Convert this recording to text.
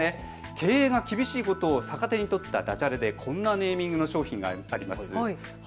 経営が厳しいことを逆手に取ったダジャレでこんなネーミングの商品があります。